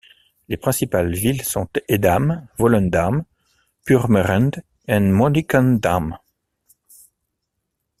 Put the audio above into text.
Les principales villes sont Edam, Volendam, Purmerend et Monnickendam.